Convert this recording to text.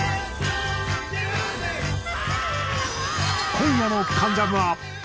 今夜の『関ジャム』は。